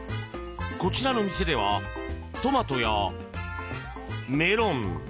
こちらの店ではトマトやメロン